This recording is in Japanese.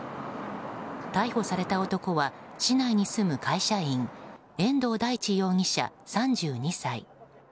逮捕された男は市内に住む会社員遠藤大地容疑者、３２歳。